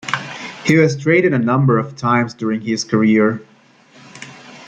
He was traded a number of times during his career.